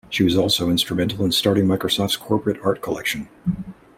She was also instrumental in starting Microsoft's corporate art collection.